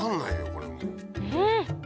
これもう。